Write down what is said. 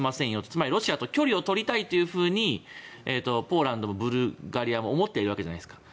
つまりロシアと距離を取りたいとポーランドもブルガリアも思っているわけじゃないですか。